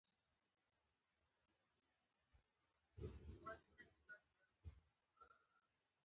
اتومونه به د اوکتیت حالت ته رسیدول لپاره څرنګه عمل وکړي؟